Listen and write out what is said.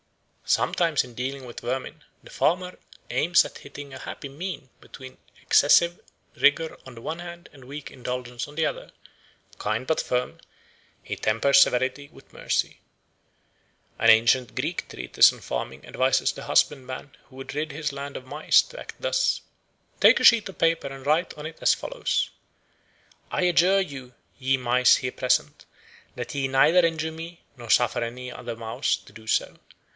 Sometimes in dealing with vermin the farmer aims at hitting a happy mean between excessive rigour on the one hand and weak indulgence on the other; kind but firm, he tempers severity with mercy. An ancient Greek treatise on farming advises the husbandman who would rid his lands of mice to act thus: "Take a sheet of paper and write on it as follows: 'I adjure you, ye mice here present, that ye neither injure me nor suffer another mouse to do so.